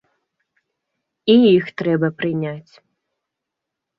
І іх трэба прыняць.